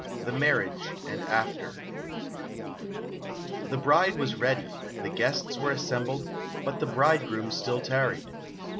The Marriage, and After The bride was ready, the guests were assembled, but the bridegroom still tarried.